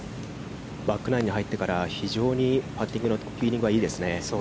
バックナインに入ってから非常にパッティングのフィーリングがいいですね。